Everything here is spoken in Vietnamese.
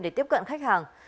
để tiếp cận khách hàng